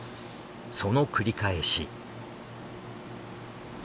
その繰り返し。